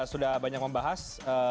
sudah banyak membahas